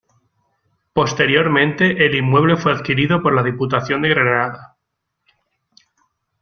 Posteriormente, el inmueble fue adquirido por la Diputación de Granada.